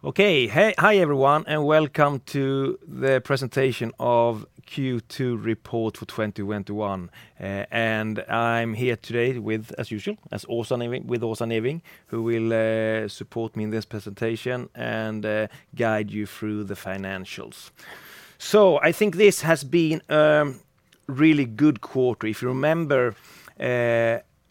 Hi everyone, and welcome to the presentation of Q2 report for 2021. I'm here today, as usual, with Åsa Neving, who will support me in this presentation and guide you through the financials. I think this has been a really good quarter. If you remember,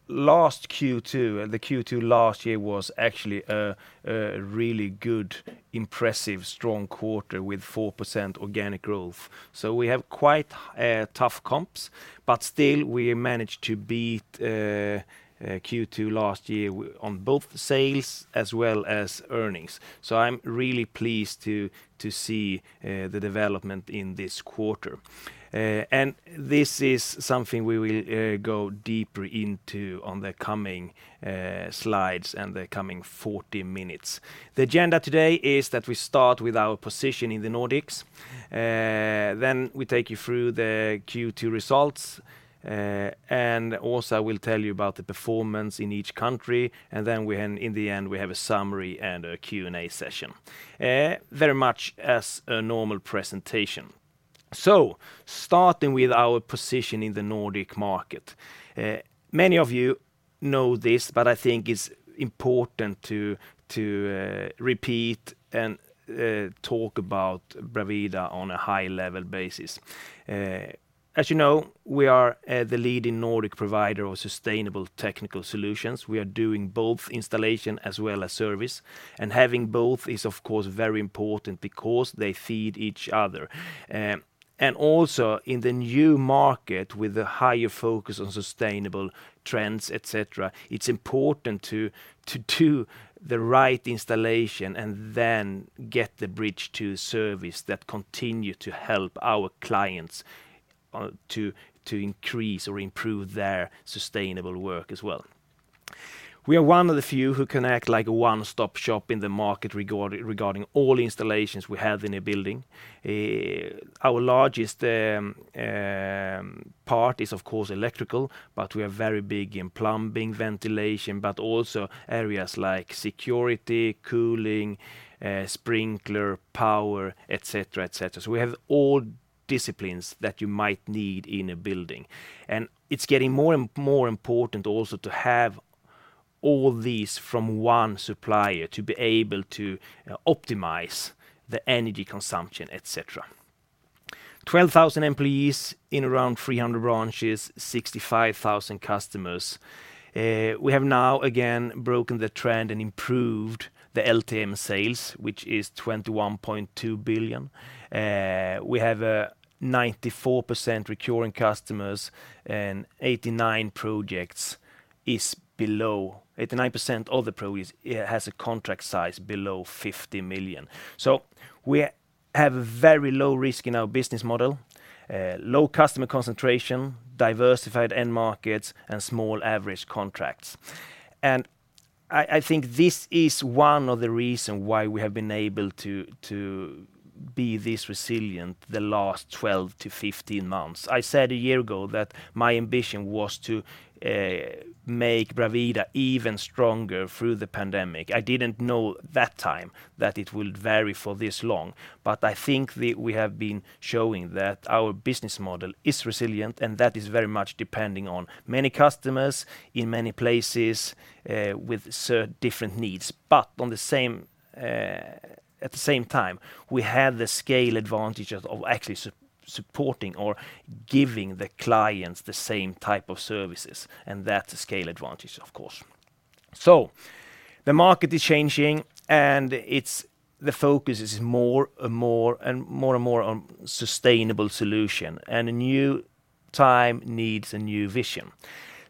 the Q2 last year was actually a really good, impressive, strong quarter with 4% organic growth. We have quite tough comps, but still, we managed to beat Q2 last year on both sales as well as earnings. I'm really pleased to see the development in this quarter. This is something we will go deeper into on the coming slides and the coming 40 minutes. The agenda today is that we start with our position in the Nordics, we take you through the Q2 results, also I will tell you about the performance in each country. In the end, we have a summary and a Q&A session, very much as a normal presentation. Starting with our position in the Nordic market. Many of you know this, but I think it's important to repeat and talk about Bravida on a high-level basis. As you know, we are the leading Nordic provider of sustainable technical solutions. We are doing both installation as well as service, and having both is of course, very important because they feed each other. Also in the new market with a higher focus on sustainable trends, et cetera, it's important to do the right installation and then get the bridge to service that continue to help our clients to increase or improve their sustainable work as well. We are one of the few who can act like a one-stop shop in the market regarding all installations we have in a building. Our largest part is, of course, electrical, but we are very big in plumbing, ventilation, but also areas like security, cooling, sprinkler, power, et cetera. We have all disciplines that you might need in a building, and it's getting more and more important also to have all these from one supplier to be able to optimize the energy consumption, et cetera. 12,000 employees in around 300 branches, 65,000 customers. We have now again broken the trend and improved the LTM sales, which is 21.2 billion. We have 94% recurring customers and 89% of the projects has a contract size below 50 million. We have a very low risk in our business model, low customer concentration, diversified end markets, and small average contracts. I think this is one of the reasons why we have been able to be this resilient the last 12 to 15 months. I said a year ago that my ambition was to make Bravida even stronger through the pandemic. I didn't know that time that it would last for this long, but I think that we have been showing that our business model is resilient, and that is very much depending on many customers in many places, with different needs. At the same time, we have the scale advantages of actually supporting or giving the clients the same type of services, and that's a scale advantage, of course. The market is changing, and the focus is more and more on sustainable solutions, and a new time needs a new vision.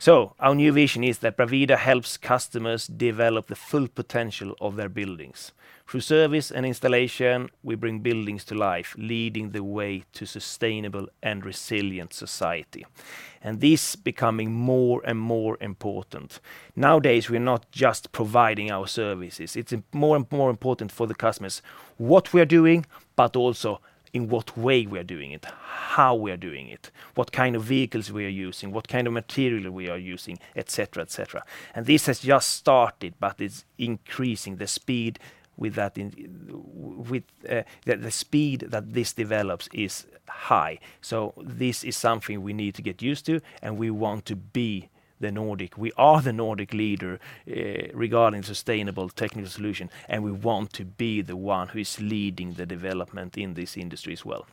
Our new vision is that Bravida helps customers develop the full potential of their buildings. Through service and installation, we bring buildings to life, leading the way to sustainable and resilient society. This is becoming more and more important. Nowadays, we're not just providing our services. It's more and more important for the customers what we are doing, but also in what way we are doing it, how we are doing it, what kind of vehicles we are using, what kind of material we are using, et cetera. This has just started, but the speed that this develops is high. This is something we need to get used to and We are the Nordic leader regarding sustainable technical solution, and we want to be the one who is leading the development in this industry as well.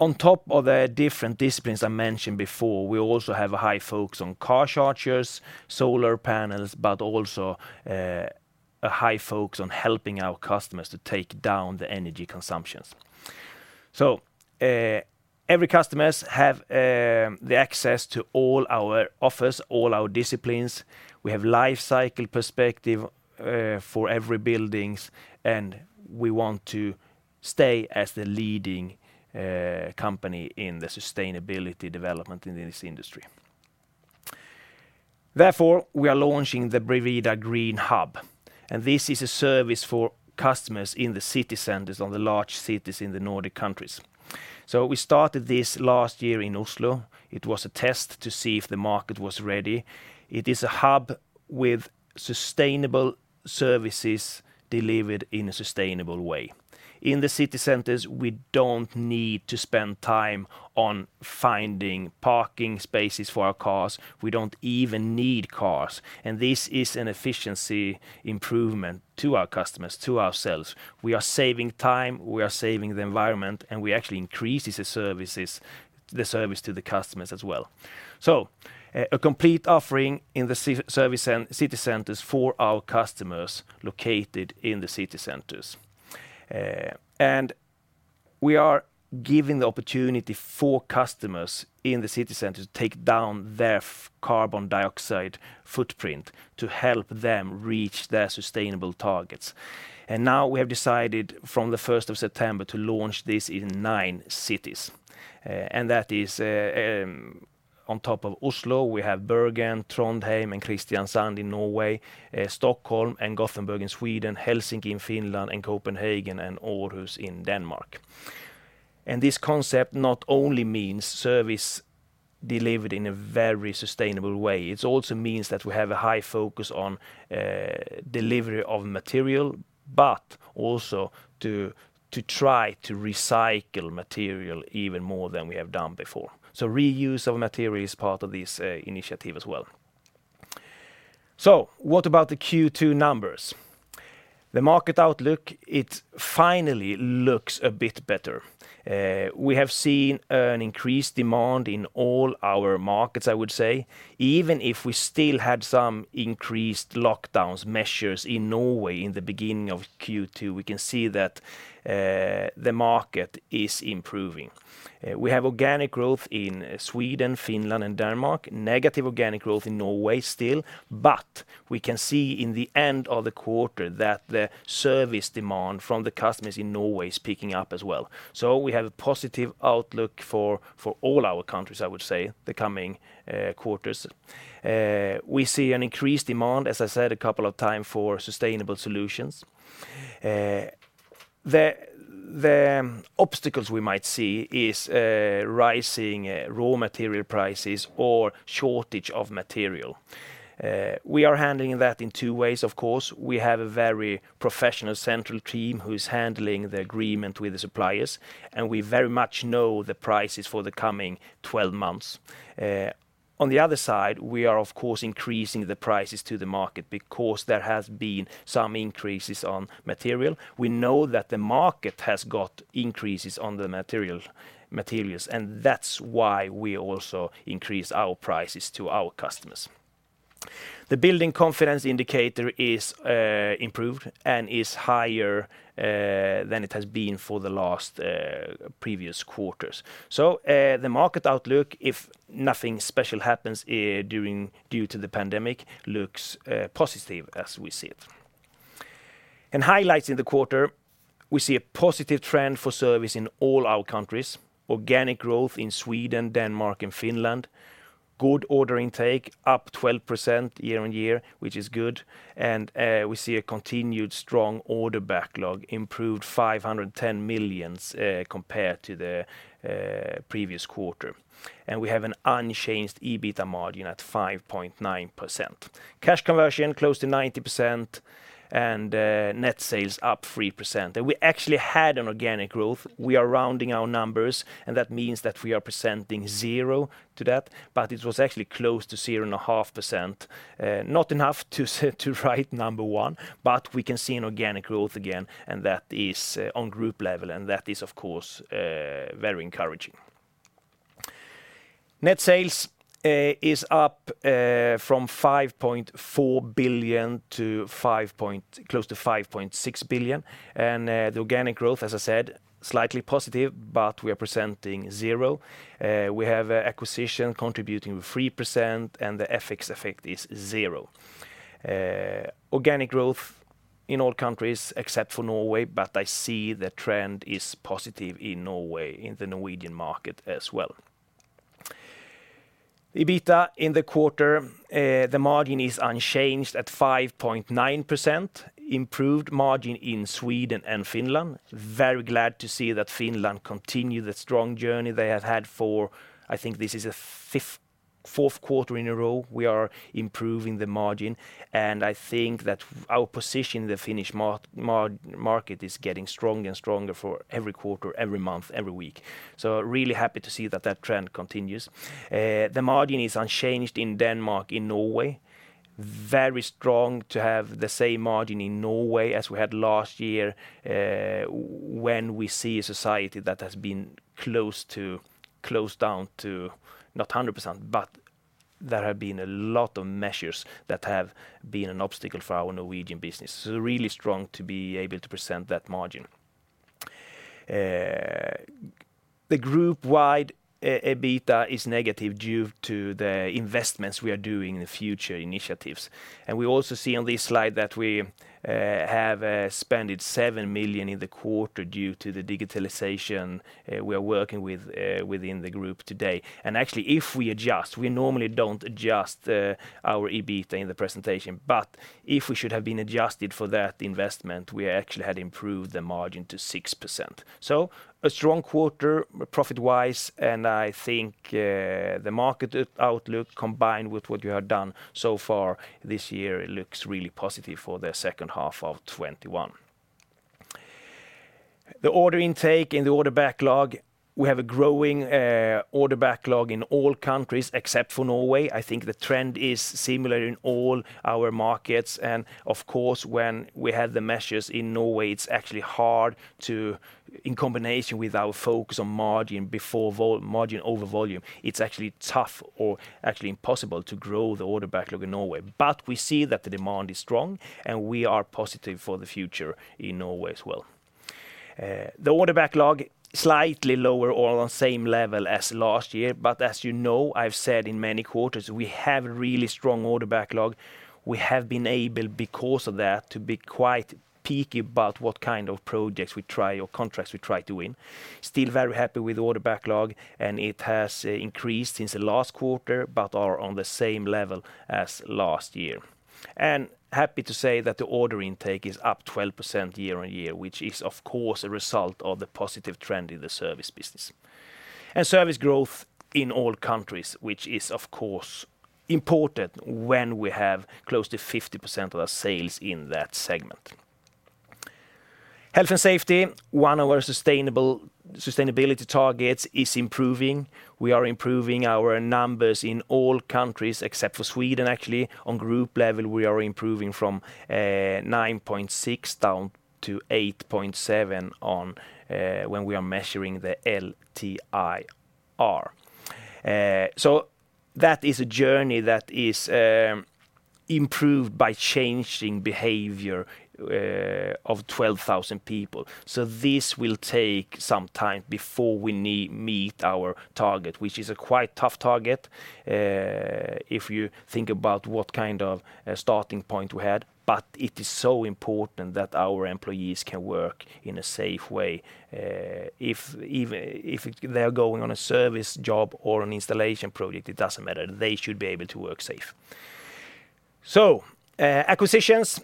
On top of the different disciplines I mentioned before, we also have a high focus on car chargers, solar panels, but also a high focus on helping our customers to take down the energy consumptions. Every customer have the access to all our offers, all our disciplines. We have life cycle perspective for every building, and we want to stay as the leading company in the sustainability development in this industry. Therefore, we are launching the Bravida GreenHub. This is a service for customers in the city centers or the large cities in the Nordic countries. We started this last year in Oslo. It was a test to see if the market was ready. It is a hub with sustainable services delivered in a sustainable way. In the city centers, we don't need to spend time on finding parking spaces for our cars. We don't even need cars. This is an efficiency improvement to our customers, to ourselves. We are saving time, we are saving the environment, and we actually increase the service to the customers as well. A complete offering in the city centers for our customers located in the city centers. We are giving the opportunity for customers in the city center to take down their carbon dioxide footprint to help them reach their sustainable targets. We have decided from the 1st of September to launch this in nine cities. On top of Oslo, we have Bergen, Trondheim, and Kristiansand in Norway, Stockholm and Gothenburg in Sweden, Helsinki in Finland, and Copenhagen and Aarhus in Denmark. This concept not only means service delivered in a very sustainable way, it also means that we have a high focus on delivery of material, but also to try to recycle material even more than we have done before. Reuse of material is part of this initiative as well. What about the Q2 numbers? The market outlook, it finally looks a bit better. We have seen an increased demand in all our markets, I would say, even if we still had some increased lockdowns measures in Norway in the beginning of Q2. We can see that the market is improving. We have organic growth in Sweden, Finland, and Denmark, negative organic growth in Norway still. We can see in the end of the quarter that the service demand from the customers in Norway is picking up as well. We have a positive outlook for all our countries, I would say, the coming quarters. We see an increased demand, as I said a couple of times, for sustainable solutions. The obstacles we might see is rising raw material prices or shortage of material. We are handling that in two ways, of course. We have a very professional central team who is handling the agreement with the suppliers, and we very much know the prices for the coming 12 months. On the other side, we are, of course, increasing the prices to the market because there has been some increases on material. We know that the market has got increases on the materials. That's why we also increase our prices to our customers. The building confidence indicator is improved and is higher than it has been for the last previous quarters. The market outlook, if nothing special happens due to the COVID-19, looks positive as we see it. In highlights in the quarter, we see a positive trend for service in all our countries. Organic growth in Sweden, Denmark, and Finland. Good order intake, up 12% year-on-year, which is good. We see a continued strong order backlog, improved 510 million compared to the previous quarter. We have an unchanged EBITA margin at 5.9%. Cash conversion close to 90% and net sales up 3%. We actually had an organic growth. We are rounding our numbers, and that means that we are presenting zero to that. It was actually close to 0.5%. Not enough to write number one, but we can see an organic growth again, and that is on group level, and that is, of course, very encouraging. Net sales is up from 5.4 billion to close to 5.6 billion. The organic growth, as I said, slightly positive, but we are presenting zero. We have acquisition contributing with 3%, and the FX effect is zero. Organic growth in all countries except for Norway, but I see the trend is positive in Norway, in the Norwegian market as well. EBITA in the quarter, the margin is unchanged at 5.9%, improved margin in Sweden and Finland. Very glad to see that Finland continue the strong journey they have had for, I think this is a fourth quarter in a row, we are improving the margin. I think that our position in the Finnish market is getting stronger and stronger for every quarter, every month, every week. Really happy to see that that trend continues. The margin is unchanged in Denmark, in Norway. Very strong to have the same margin in Norway as we had last year, when we see a society that has been closed down to, not 100%, but there have been a lot of measures that have been an obstacle for our Norwegian business. Really strong to be able to present that margin. The group-wide EBITA is negative due to the investments we are doing in the future initiatives. We also see on this slide that we have spent 7 million in the quarter due to the digitalization we are working within the group today. Actually, if we adjust, we normally don't adjust our EBITA in the presentation, but if we should have been adjusted for that investment, we actually had improved the margin to 6%. A strong quarter profit-wise, and I think the market outlook, combined with what you have done so far this year, it looks really positive for the second half of 2021. The order intake and the order backlog, we have a growing order backlog in all countries except for Norway. I think the trend is similar in all our markets, and of course, when we had the measures in Norway, it's actually hard to, in combination with our focus on margin over volume, it's actually tough or actually impossible to grow the order backlog in Norway. We see that the demand is strong, and we are positive for the future in Norway as well. The order backlog, slightly lower or on same level as last year, but as you know, I've said in many quarters, we have a really strong order backlog. We have been able, because of that, to be quite picky about what kind of projects we try or contracts we try to win. Still very happy with the order backlog, it has increased since the last quarter, but are on the same level as last year. Happy to say that the order intake is up 12% year-on-year, which is, of course, a result of the positive trend in the service business. Service growth in all countries, which is, of course, important when we have close to 50% of our sales in that segment. Health and safety, one of our sustainability targets, is improving. We are improving our numbers in all countries except for Sweden, actually. On group level, we are improving from 9.6 down to 8.7 when we are measuring the LTIR. That is a journey that is improved by changing behavior of 12,000 people. This will take some time before we meet our target, which is a quite tough target, if you think about what kind of a starting point we had, but it is so important that our employees can work in a safe way. If they are going on a service job or an installation project, it doesn't matter. They should be able to work safe. Acquisitions,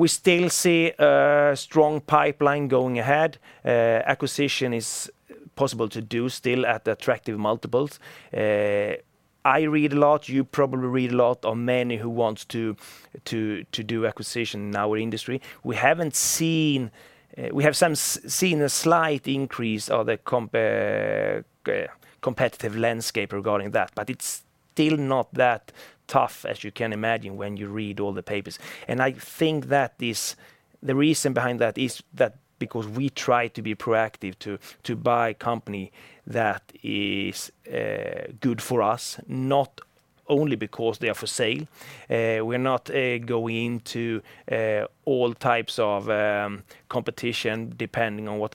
we still see a strong pipeline going ahead. Acquisition is possible to do still at attractive multiples. I read a lot, you probably read a lot on many who wants to do acquisition in our industry. We have seen a slight increase of the competitive landscape regarding that, but it's still not that tough as you can imagine when you read all the papers. I think that the reason behind that is that because we try to be proactive to buy a company that is good for us, not only because they are for sale. We're not going into all types of competition. It depends on what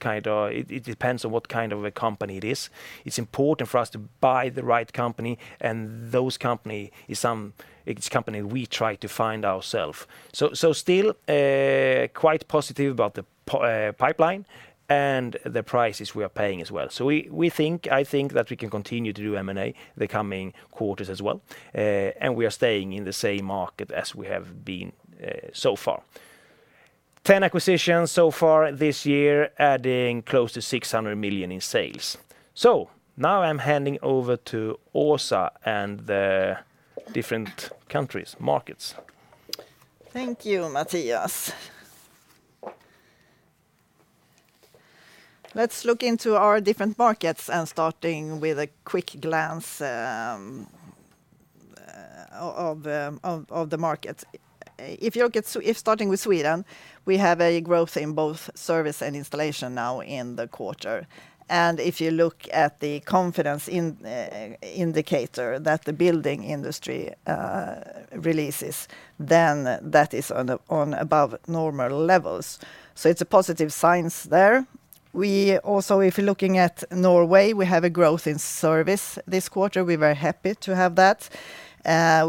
kind of a company it is. It's important for us to buy the right company, and those company, it's company we try to find ourself. Still, quite positive about the pipeline and the prices we are paying as well. I think that we can continue to do M&A the coming quarters as well, and we are staying in the same market as we have been so far. 10 acquisitions so far this year, adding close to 600 million in sales. Now I'm handing over to Åsa and the different countries, markets. Thank you, Mattias. Let's look into our different markets and starting with a quick glance of the markets. If starting with Sweden, we have a growth in both service and installation now in the quarter. If you look at the confidence indicator that the building industry releases, that is on above normal levels. It's a positive signs there. Also, if you're looking at Norway, we have a growth in service this quarter. We're very happy to have that.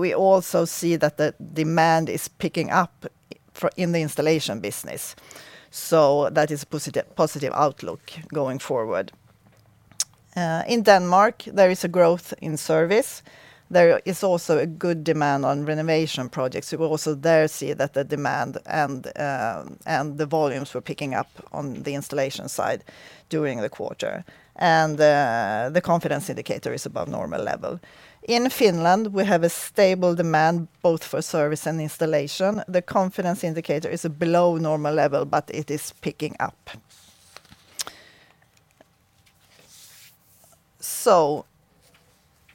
We also see that the demand is picking up in the installation business. That is a positive outlook going forward. In Denmark, there is a growth in service. There is also a good demand on renovation projects. We also there see that the demand and the volumes were picking up on the installation side during the quarter. The confidence indicator is above normal level. In Finland, we have a stable demand both for service and installation. The confidence indicator is below normal level, but it is picking up.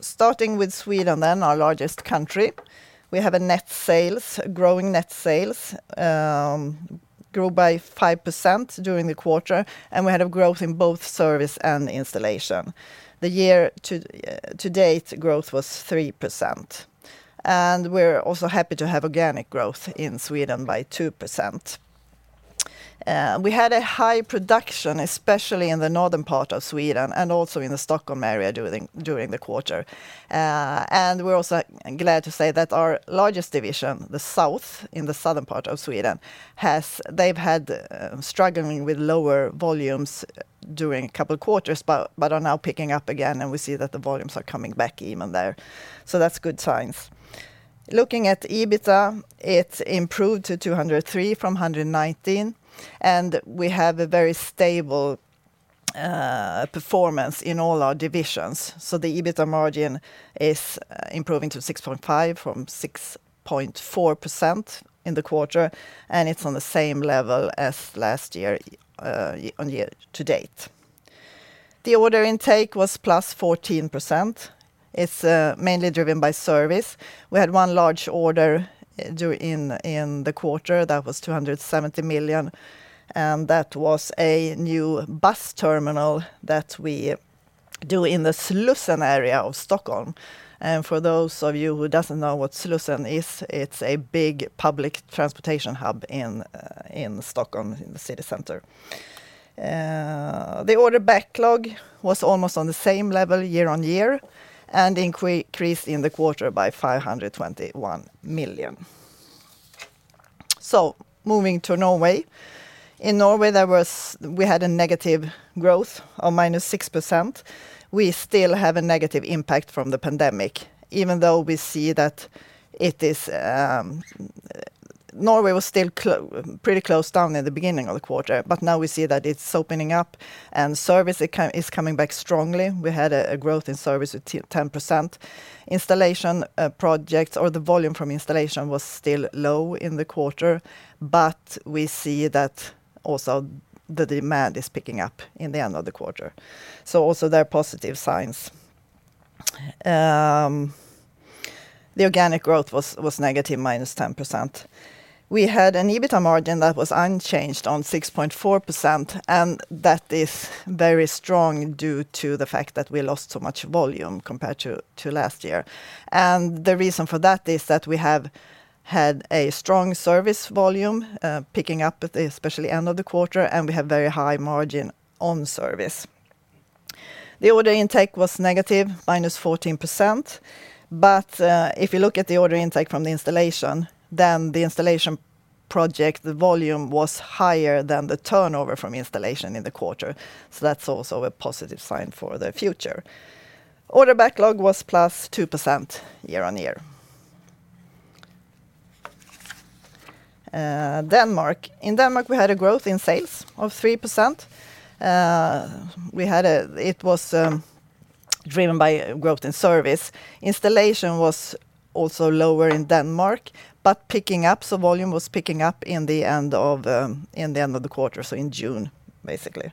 Starting with Sweden, our largest country, we have a growing net sales, grew by 5% during the quarter, and we had a growth in both service and installation. The year to date growth was 3%, and we're also happy to have organic growth in Sweden by 2%. We had a high production, especially in the northern part of Sweden and also in the Stockholm area during the quarter. We're also glad to say that our largest division, the south, in the southern part of Sweden, they've had struggling with lower volumes during a couple of quarters, but are now picking up again, and we see that the volumes are coming back even there. That's good signs. Looking at EBITA, it improved to 203 million from 119 million. We have a very stable performance in all our divisions. The EBITA margin is improving to 6.5% from 6.4% in the quarter, and it's on the same level as last year year-on-year to date. The order intake was +14%. It's mainly driven by service. We had one large order in the quarter that was 270 million. That was a new bus terminal that we do in the Slussen area of Stockholm. For those of you who doesn't know what Slussen is, it's a big public transportation hub in Stockholm in the city center. The order backlog was almost on the same level year-on-year and increased in the quarter by 521 million. Moving to Norway. In Norway, we had a negative growth of -6%. We still have a negative impact from the pandemic, even though we see that Norway was still pretty closed down at the beginning of the quarter, but now we see that it's opening up and service is coming back strongly. We had a growth in service of 10%. Installation projects or the volume from installation was still low in the quarter, but we see that also the demand is picking up in the end of the quarter. Also there are positive signs. The organic growth was negative, -10%. We had an EBITA margin that was unchanged on 6.4%. That is very strong due to the fact that we lost so much volume compared to last year. The reason for that is that we have had a strong service volume, picking up at especially end of the quarter, and we have very high margin on service. The order intake was negative, -14%. If you look at the order intake from the installation, the installation project volume was higher than the turnover from installation in the quarter. That's also a positive sign for the future. Order backlog was +2% year-on-year. Denmark. In Denmark, we had a growth in sales of 3%. It was driven by growth in service. Installation was also lower in Denmark, but picking up. Volume was picking up in the end of the quarter, in June, basically.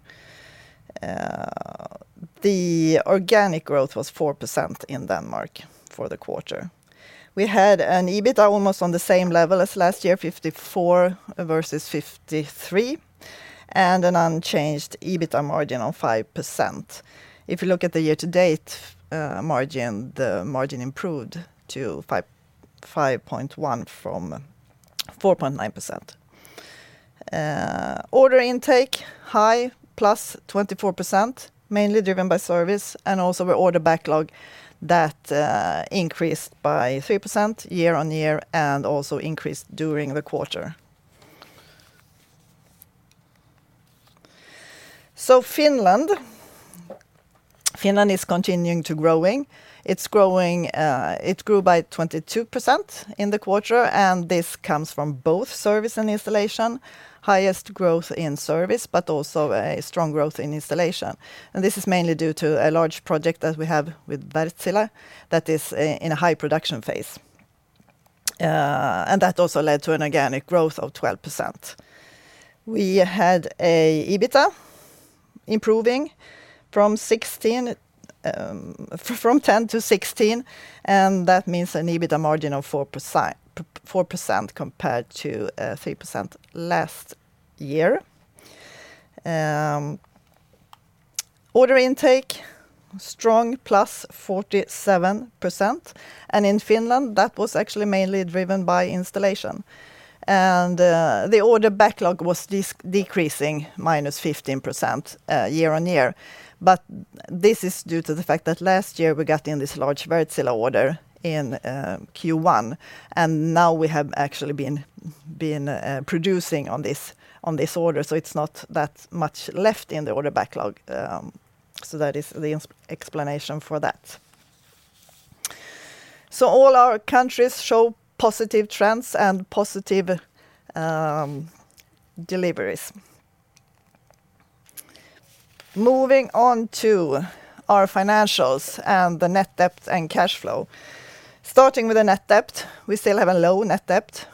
The organic growth was 4% in Denmark for the quarter. We had an EBITA almost on the same level as last year, 54 million versus 53 million, and an unchanged EBITA margin of 5%. If you look at the year-to-date margin, the margin improved to 5.1% from 4.9%. Order intake, high, +24%, mainly driven by service and also the order backlog that increased by 3% year-on-year and also increased during the quarter. Finland is continuing to growing. It grew by 22% in the quarter, and this comes from both service and installation, highest growth in service, but also a strong growth in installation. This is mainly due to a large project that we have with Wärtsilä that is in a high production phase. That also led to an organic growth of 12%. We had an EBITA improving from 10 million to 16 million, and that means an EBITA margin of 4% compared to 3% last year. Order intake, strong, +47%. In Finland, that was actually mainly driven by installation. The order backlog was decreasing -15% year-on-year. This is due to the fact that last year, we got in this large Wärtsilä order in Q1, and now we have actually been producing on this order. It's not that much left in the order backlog. That is the explanation for that. All our countries show positive trends and positive deliveries. Moving on to our financials and the net debt and cash flow. Starting with the net debt, we still have a low net debt.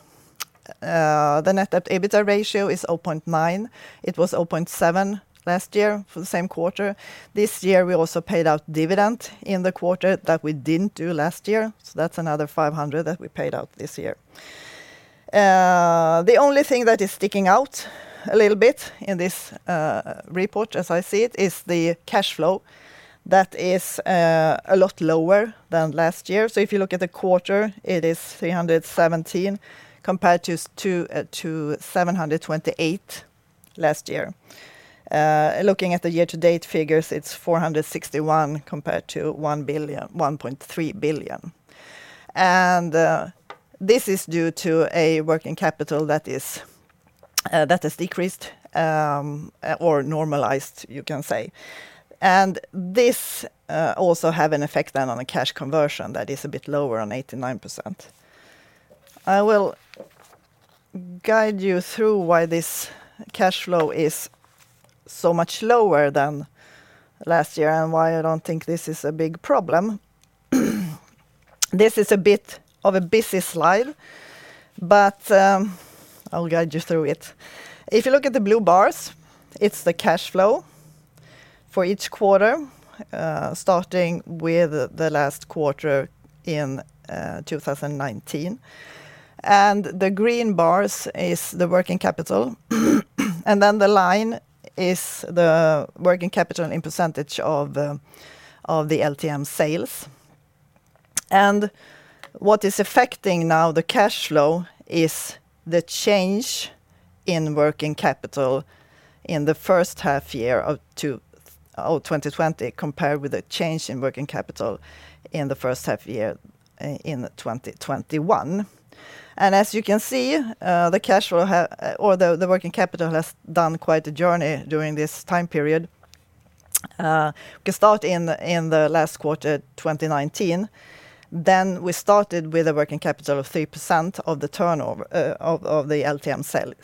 The net debt EBITDA ratio is 0.9. It was 0.7 last year for the same quarter. This year, we also paid out dividend in the quarter that we didn't do last year. That's another 500 million that we paid out this year. The only thing that is sticking out a little bit in this report, as I see it, is the cash flow that is a lot lower than last year. If you look at the quarter, it is 317 million compared to 728 million last year. Looking at the year-to-date figures, it is 461 million compared to 1.3 billion. This is due to a working capital that has decreased, or normalized you can say. This also have an effect then on the cash conversion that is a bit lower on 89%. I will guide you through why this cash flow is so much lower than last year, and why I don't think this is a big problem. This is a bit of a busy slide, but I'll guide you through it. If you look at the blue bars, it is the cash flow for each quarter, starting with the last quarter in 2019. The green bars is the working capital. The line is the working capital in % of the LTM sales. What is affecting now the cash flow is the change in working capital in the first half year of 2020, compared with the change in working capital in the first half year in 2021. As you can see, the working capital has done quite a journey during this time period. We can start in the last quarter, 2019. We started with a working capital of 3% of the LTM sales,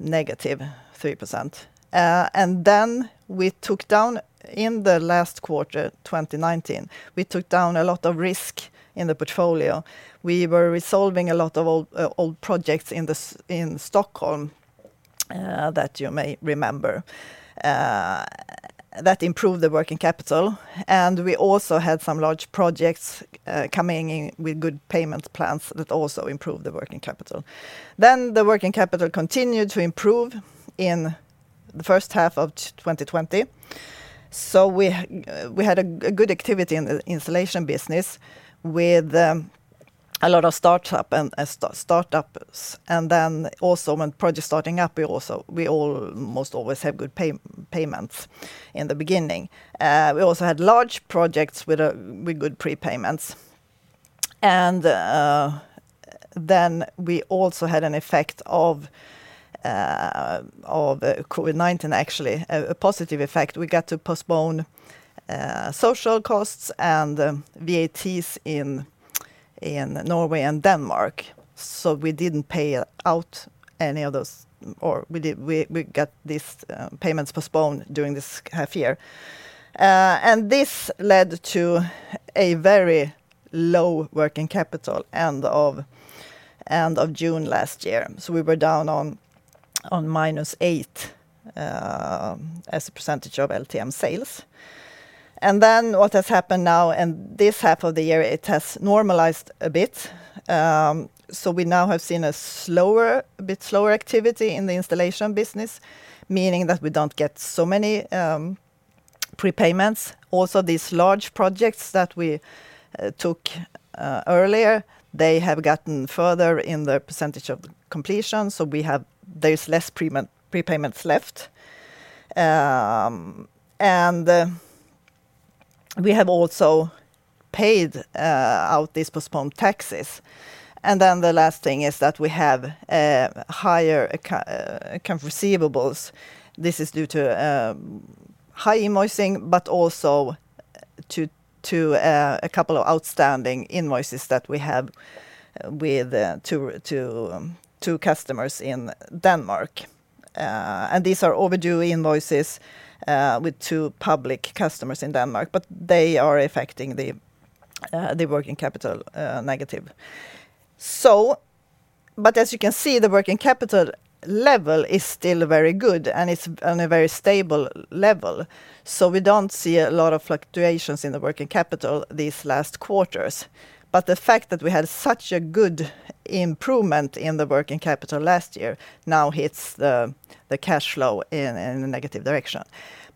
-3%. In the last quarter, 2019, we took down a lot of risk in the portfolio. We were resolving a lot of old projects in Stockholm that you may remember. That improved the working capital, and we also had some large projects coming in with good payment plans that also improved the working capital. The working capital continued to improve in the first half of 2020. We had a good activity in the installation business with a lot of startups. Also when projects starting up, we almost always have good payments in the beginning. We also had large projects with good prepayments. We also had an effect of COVID-19 actually, a positive effect. We got to postpone social costs and VATs in Norway and Denmark. We didn't pay out any of those, or we got these payments postponed during this half year. This led to a very low working capital end of June 2020. We were down on -8% as a percentage of LTM sales. What has happened now in this half of the year, it has normalized a bit. We now have seen a bit slower activity in the installation business, meaning that we don't get so many prepayments. These large projects that we took earlier, they have gotten further in the percentage of completion, so there's less prepayments left. We have also paid out these postponed taxes. The last thing is that we have higher account receivables. This is due to high invoicing, but also to a couple of outstanding invoices that we have with two customers in Denmark. These are overdue invoices with two public customers in Denmark, but they are affecting the working capital negative. As you can see, the working capital level is still very good, and it's on a very stable level. We don't see a lot of fluctuations in the working capital these last quarters. The fact that we had such a good improvement in the working capital last year now hits the cash flow in a negative direction.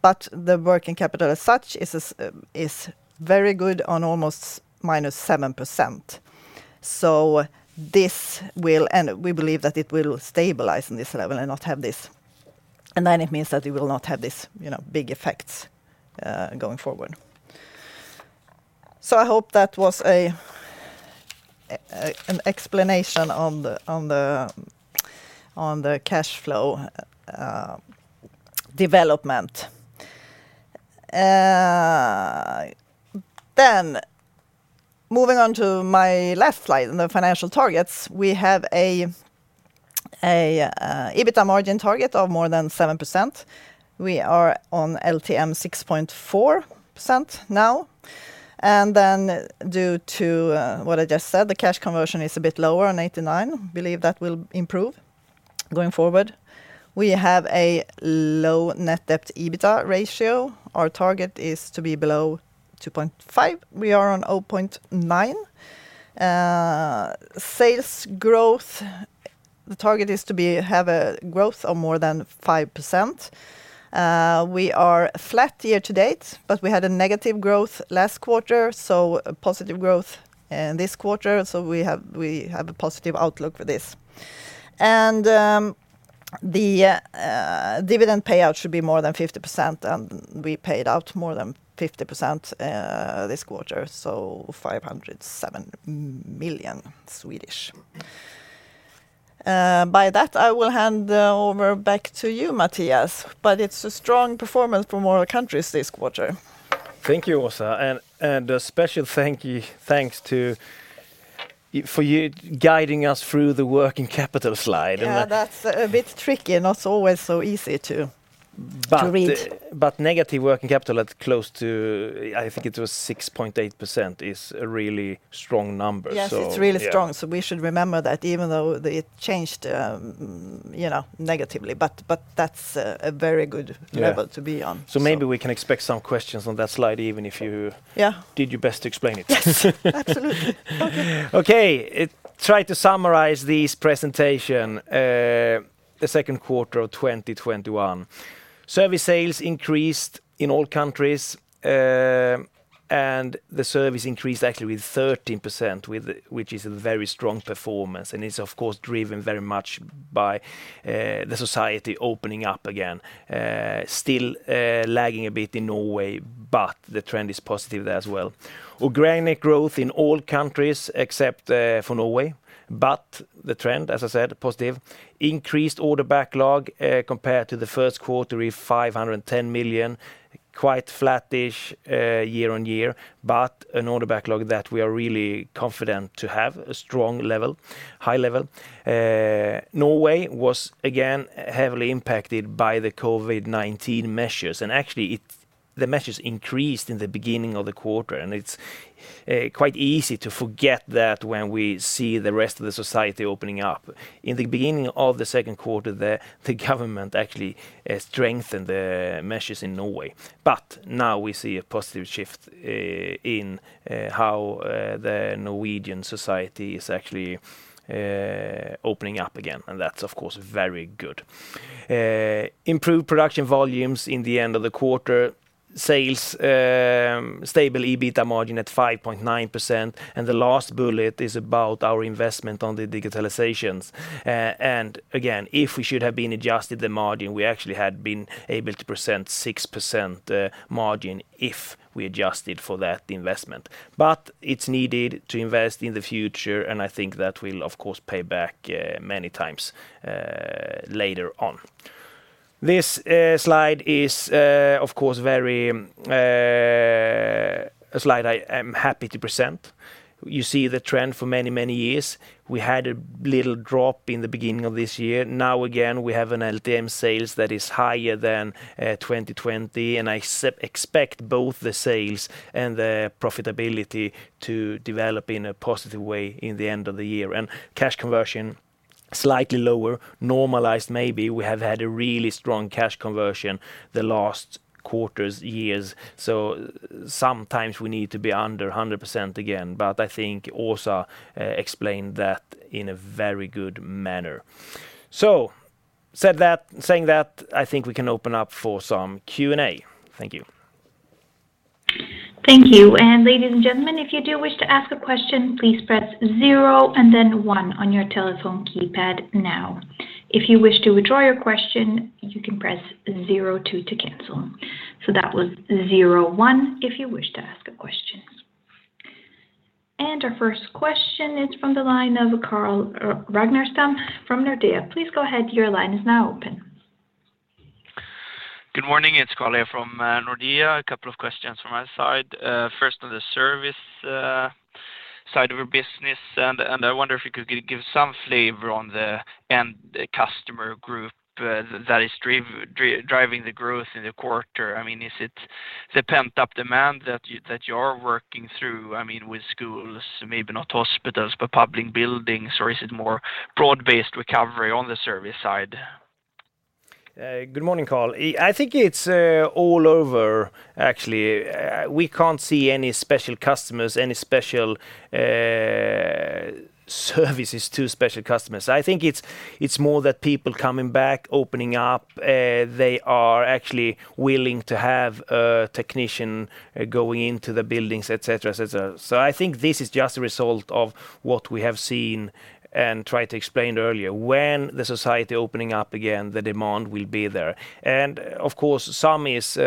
The working capital as such is very good on almost -7%. We believe that it will stabilize in this level and not have this. It means that we will not have these big effects going forward. I hope that was an explanation on the cash flow development. Moving on to my last slide on the financial targets. We have a EBITA margin target of more than 7%. We are on LTM 6.4% now. Due to what I just said, the cash conversion is a bit lower on 89%. We believe that will improve going forward. We have a low net debt to EBITDA ratio. Our target is to be below 2.5x. We are on 0.9x. Sales growth, the target is to have a growth of more than 5%. We are flat year-to-date, but we had a negative growth last quarter, so a positive growth this quarter. The dividend payout should be more than 50%, and we paid out more than 50% this quarter, so 507 million. By that, I will hand over back to you, Mattias, but it's a strong performance from all countries this quarter. Thank you, Åsa, and a special thanks for guiding us through the working capital slide. Yeah, that's a bit tricky. Not always so easy to read. Negative working capital at close to, I think it was 6.8%, is a really strong number. Yes, it's really strong. We should remember that even though it changed negatively, but that's a very good level to be on. Maybe we can expect some questions on that slide. Yeah did your best to explain it. Yes. Absolutely. Okay. Try to summarize this presentation, the second quarter of 2021. Service sales increased in all countries. The service increased actually with 13%, which is a very strong performance, and is, of course, driven very much by the society opening up again. Still lagging a bit in Norway, but the trend is positive there as well. Organic growth in all countries except for Norway. The trend, as I said, is positive. Increased order backlog compared to the first quarter with 510 million. Quite flattish year-on-year, but an order backlog that we are really confident to have a strong level, high level. Norway was again heavily impacted by the COVID-19 measures, and actually, the measures increased in the beginning of the quarter, and it's quite easy to forget that when we see the rest of the society opening up. In the beginning of the second quarter, the government actually strengthened the measures in Norway. Now we see a positive shift in how the Norwegian society is actually opening up again, and that's, of course, very good. Improved production volumes in the end of the quarter. Sales, stable EBITA margin at 5.9%, and the last bullet is about our investment on the digitalizations. Again, if we should have been adjusted the margin, we actually had been able to present 6% margin if we adjusted for that investment. It's needed to invest in the future, and I think that will, of course, pay back many times later on. This slide is, of course, a slide I am happy to present. You see the trend for many years. We had a little drop in the beginning of this year. Again, we have an LTM sales that is higher than 2020, and I expect both the sales and the profitability to develop in a positive way in the end of the year. Cash conversion, slightly lower. Normalized, maybe we have had a really strong cash conversion the last quarters, years. Sometimes we need to be under 100% again. I think Åsa explained that in a very good manner. Saying that, I think we can open up for some Q&A. Thank you. Thank you. Ladies and gentlemen, if you do wish to ask a question, please press zero and then one on your telephone keypad now. If you wish to withdraw your question, you can press zero two to cancel. That was zero one if you wish to ask a question. Our first question is from the line of Carl Ragnerstam from Nordea. Please go ahead. Your line is now open. Good morning. It's Carl from Nordea. A couple of questions from my side. First, on the service side of your business, I wonder if you could give some flavor on the end customer group that is driving the growth in the quarter. Is it the pent-up demand that you're working through with schools, maybe not hospitals, but public buildings, or is it more broad-based recovery on the service side? Good morning, Carl. I think it's all over, actually. We can't see any special customers, any special services to special customers. I think it's more that people coming back, opening up. They are actually willing to have a technician going into the buildings, et cetera. I think this is just a result of what we have seen and tried to explain earlier. When the society opening up again, the demand will be there. Of course, some is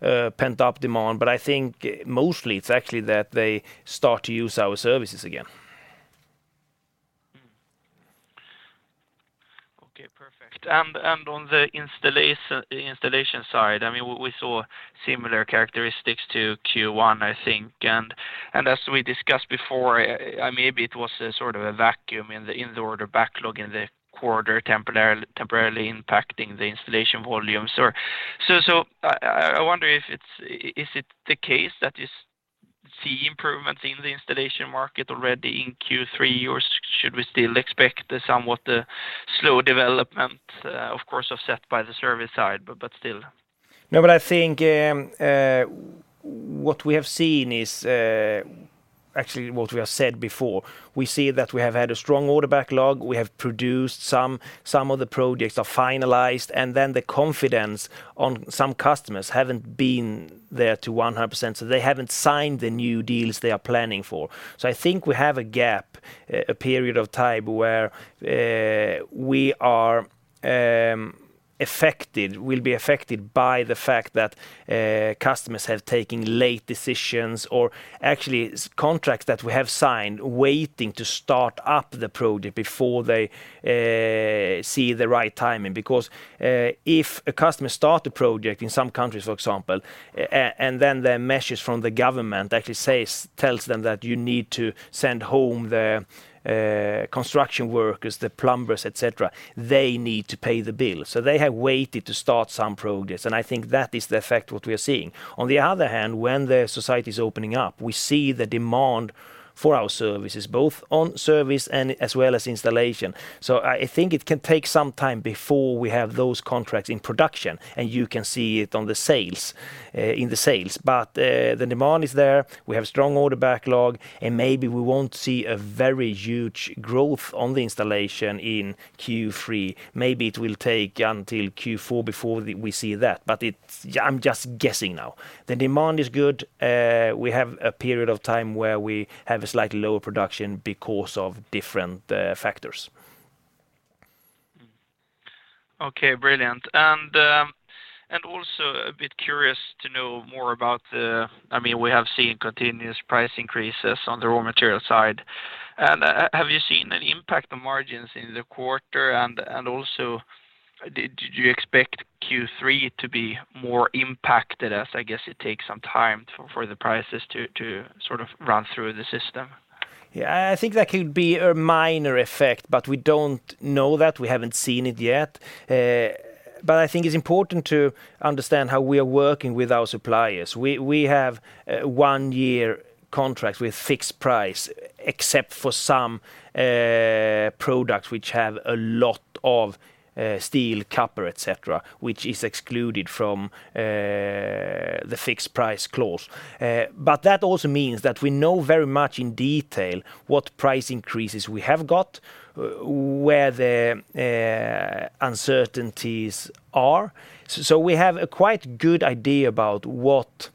pent-up demand, but I think mostly it's actually that they start to use our services again. Okay, perfect. On the installation side, we saw similar characteristics to Q1, I think. As we discussed before, maybe it was a sort of a vacuum in the order backlog in the quarter temporarily impacting the installation volumes. I wonder, is it the case that you see improvements in the installation market already in Q3, or should we still expect the somewhat slow development, of course, offset by the service side, but still? I think what we have seen is actually what we have said before. We see that we have had a strong order backlog. We have produced some. Some of the projects are finalized, and then the confidence on some customers hasn't been there to 100%, so they haven't signed the new deals they are planning for. I think we have a gap, a period of time where we are affected, will be affected by the fact that customers have taken late decisions, or actually, contracts that we have signed, waiting to start up the project before they see the right timing. If a customer starts a project in some countries, for example, and then the message from the government actually tells them that you need to send home the construction workers, the plumbers, et cetera, they need to pay the bill. They have waited to start some projects, and I think that is the effect what we are seeing. On the other hand, when the society is opening up, we see the demand for our services, both on service as well as installation. I think it can take some time before we have those contracts in production, and you can see it in the sales. The demand is there. We have strong order backlog, and maybe we won't see a very huge growth on the installation in Q3. Maybe it will take until Q4 before we see that, but I'm just guessing now. The demand is good. We have a period of time where we have a slightly lower production because of different factors. Okay, brilliant. Also a bit curious to know more about the, we have seen continuous price increases on the raw material side. Have you seen any impact on margins in the quarter? Also, did you expect Q3 to be more impacted as, I guess it takes some time for the prices to sort of run through the system? Yeah. I think that could be a minor effect, but we don't know that. We haven't seen it yet. I think it's important to understand how we are working with our suppliers. We have one-year contracts with fixed price, except for some products which have a lot of steel, copper, et cetera, which is excluded from the fixed price clause. That also means that we know very much in detail what price increases we have got, where the uncertainties are. We have a quite good idea about what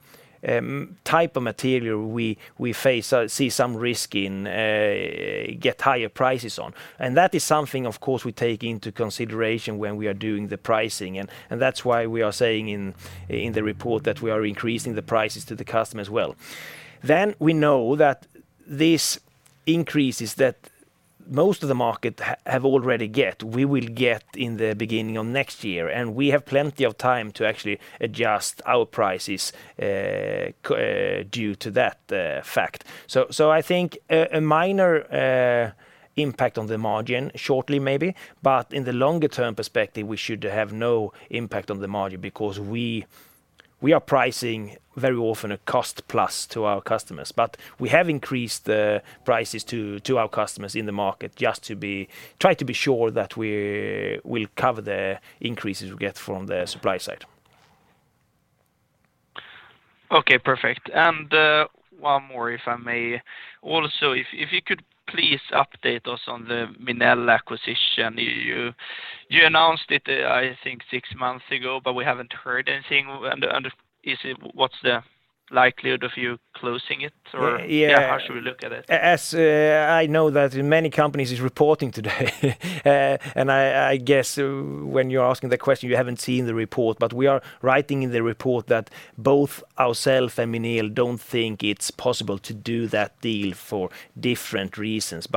type of material we see some risk in, get higher prices on. That is something, of course, we take into consideration when we are doing the pricing. That's why we are saying in the report that we are increasing the prices to the customer as well. We know that these increases that most of the market have already get, we will get in the beginning of next year, and we have plenty of time to actually adjust our prices due to that fact. I think a minor impact on the margin shortly maybe, but in the longer term perspective, we should have no impact on the margin because we are pricing very often a cost plus to our customers. We have increased the prices to our customers in the market just to try to be sure that we'll cover the increases we get from the supply side. Okay, perfect. One more, if I may. Also, if you could please update us on the Minel acquisition. You announced it, I think six months ago, but we haven't heard anything. What's the likelihood of you closing it, or how should we look at it? As I know that many companies is reporting today, I guess when you're asking the question, you haven't seen the report, we are writing in the report that both ourself and Minel don't think it's possible to do that deal for different reasons.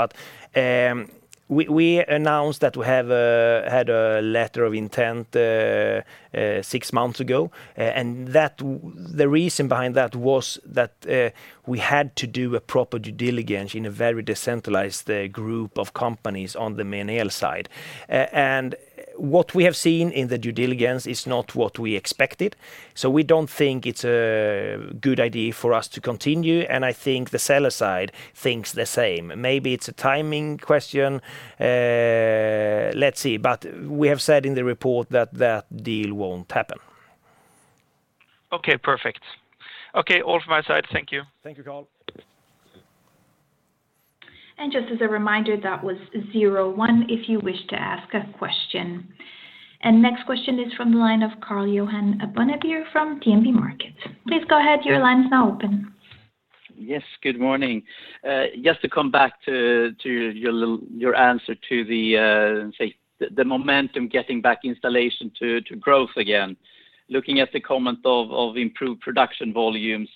We announced that we had a letter of intent six months ago, and the reason behind that was that we had to do a proper due diligence in a very decentralized group of companies on the Minel side. What we have seen in the due diligence is not what we expected. We don't think it's a good idea for us to continue, and I think the seller side thinks the same. Maybe it's a timing question. Let's see. We have said in the report that that deal won't happen. Okay, perfect. Okay, all from my side. Thank you. Thank you, Carl. Just as a reminder, that was 01 if you wish to ask a question. Next question is from the line of Karl-Johan Bonnevier from DNB Markets. Please go ahead, your line is now open. Yes, good morning. Just to come back to your answer to the, let's say, the momentum getting back installation to growth again. Looking at the comment of improved production volumes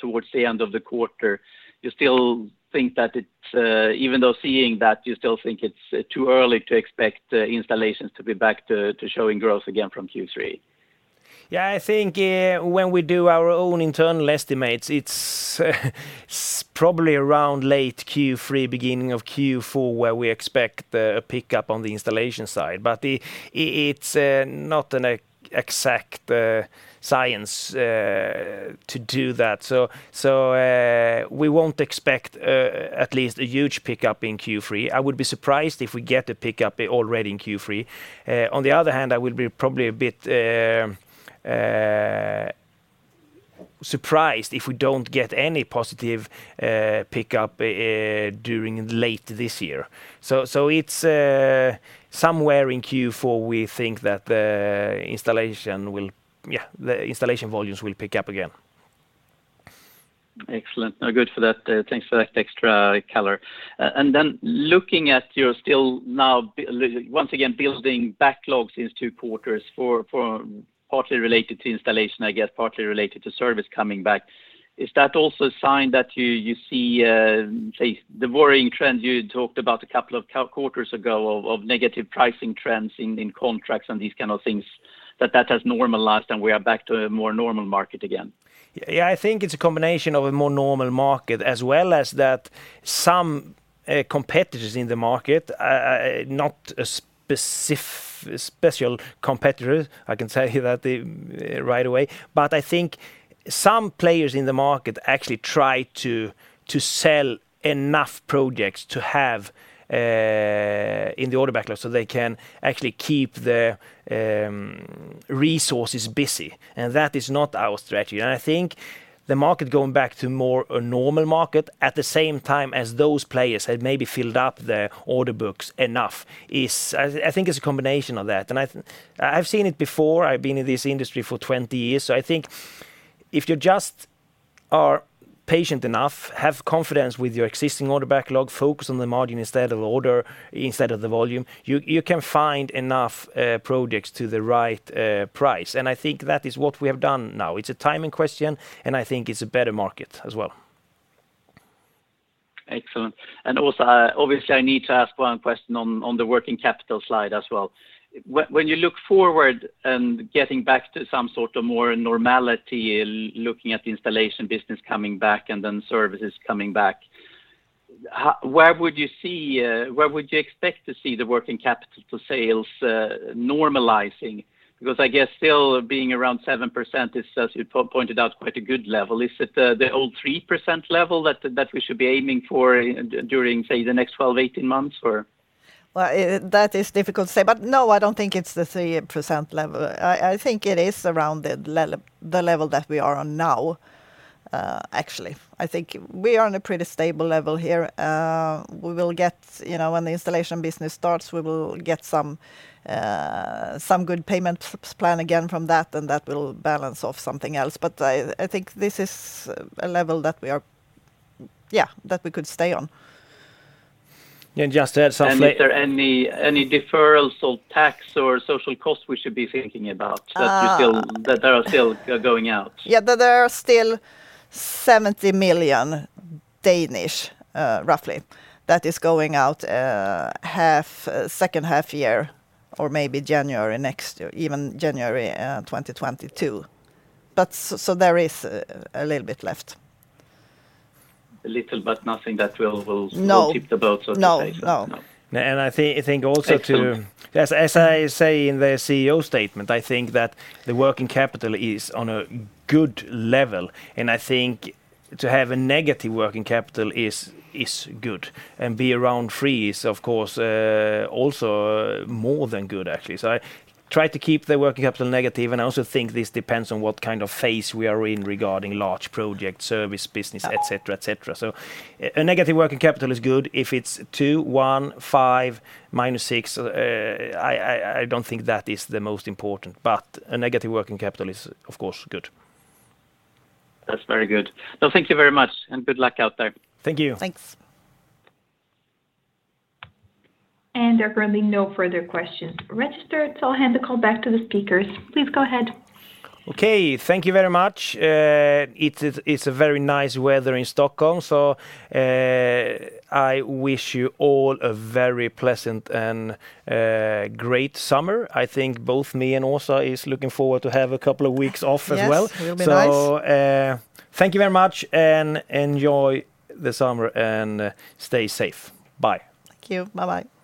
towards the end of the quarter, you still think that it's, even though seeing that, you still think it's too early to expect installations to be back to showing growth again from Q3? I think when we do our own internal estimates, it's probably around late Q3, beginning of Q4, where we expect a pickup on the installation side. It's not an exact science to do that. We won't expect at least a huge pickup in Q3. I would be surprised if we get a pickup already in Q3. On the other hand, I would be probably a bit surprised if we don't get any positive pickup during late this year. It's somewhere in Q4, we think that the installation volumes will pick up again. Excellent. Good for that. Thanks for that extra color. Looking at your still now, once again, building backlogs into quarters for partly related to installation, I guess, partly related to service coming back. Is that also a sign that you see, say, the worrying trend you talked about a couple of quarters ago of negative pricing trends in contracts and these kind of things, that has normalized and we are back to a more normal market again? Yeah. I think it's a combination of a more normal market, as well as that some competitors in the market, not a special competitor, I can say that right away. I think some players in the market actually try to sell enough projects to have in the order backlog, so they can actually keep their resources busy, and that is not our strategy. I think the market going back to more a normal market at the same time as those players had maybe filled up their order books enough is, I think, it's a combination of that. I've seen it before. I've been in this industry for 20 years. I think if you just are patient enough, have confidence with your existing order backlog, focus on the margin instead of the order, instead of the volume, you can find enough projects to the right price. I think that is what we have done now. It's a timing question, and I think it's a better market as well. Excellent. Åsa, obviously, I need to ask one question on the working capital slide as well. When you look forward and getting back to some sort of more normality, looking at the installation business coming back, and then services coming back, where would you expect to see the working capital sales normalizing? I guess still being around 7% is, as you pointed out, quite a good level. Is it the old 3% level that we should be aiming for during, say, the next 12, 18 months or? Well, that is difficult to say. No, I don't think it's the 3% level. I think it is around the level that we are on now, actually. I think we are on a pretty stable level here. When the installation business starts, we will get some good payment plan again from that, and that will balance off something else. I think this is a level that we could stay on. Can just add something. Is there any deferrals or tax or social costs we should be thinking about that are still going out? Yeah. There are still 70 million, roughly, that is going out second half year or maybe January next year, even January 2022. There is a little bit left. A little, but nothing that will tip the boat, so to say. No. I think also to, as I say in the CEO statement, I think that the working capital is on a good level, and I think to have a negative working capital is good, and be around three is, of course, also more than good, actually. I try to keep the working capital negative, and I also think this depends on what kind of phase we are in regarding large project, service business, et cetera. A negative working capital is good. If it's 2%, 1%, 5%, -6%, I don't think that is the most important, but a negative working capital is, of course, good. That's very good. Well, thank you very much, and good luck out there. Thank you. Thanks. There are currently no further questions registered, so I'll hand the call back to the speakers. Please go ahead. Okay. Thank you very much. It's a very nice weather in Stockholm, so I wish you all a very pleasant and great summer. I think both me and Åsa is looking forward to have a couple of weeks off as well. Yes, will be nice. Thank you very much, and enjoy the summer, and stay safe. Bye. Thank you. Bye bye.